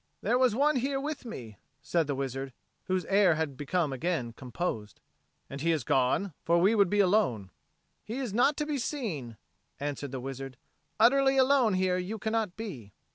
"There was one here with me," said the wizard, whose air had become again composed. "And is he gone? For we would be alone." "He is not to be seen," answered the wizard. "Utterly alone here you cannot be."